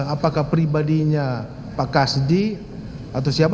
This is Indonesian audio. apakah pribadinya pak kasdi atau siapa